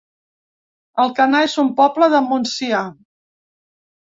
Alcanar es un poble del Montsià